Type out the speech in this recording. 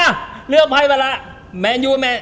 อะเลือกไพ่มาละ